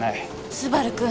昴くん。